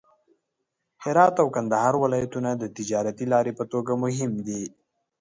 هرات او کندهار ولایتونه د تجارتي لارې په توګه مهم دي.